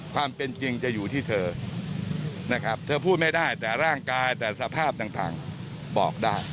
ความเป็นจริงจะอยู่ที่เธอนะครับเธอพูดไม่ได้แต่ร่างกายแต่สภาพต่างบอกได้